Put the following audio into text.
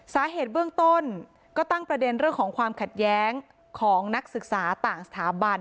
สาเหตุเบื้องต้นก็ตั้งประเด็นเรื่องของความขัดแย้งของนักศึกษาต่างสถาบัน